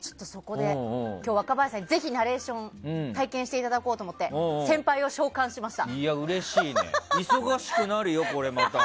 今日、若林さんにぜひナレーションを体験していただこうと思って先輩を召喚しました。